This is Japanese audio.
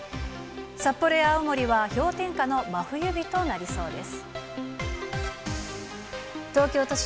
札幌や青森は氷点下の真冬日となりそうです。